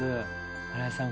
荒井さん